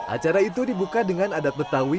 acara itu dibuka dengan adat betawi